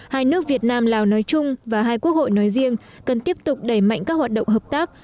hai nước việt nam lào nói chung và hai quốc hội nói riêng cần tiếp tục đẩy mạnh các hoạt động hợp tác